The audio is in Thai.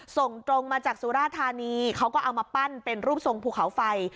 ส่งตรงมาจากสุราธานีเขาก็เอามาปั้นเป็นรูปทรงภูเขาไฟ